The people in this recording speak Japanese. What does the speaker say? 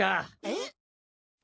えっ？